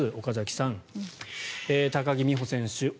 岡崎さん、高木美帆選手